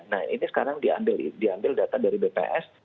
nah ini sekarang diambil data dari bps